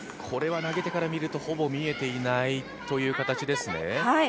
これは投げ手から見ると、ほぼ見えていない形ですね。